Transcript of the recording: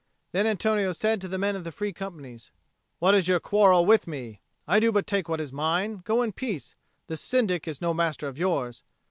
Then Antonio said to the men of the Free Companies, "What is your quarrel with me? I do but take what is mine. Go in peace. This Syndic is no master of yours."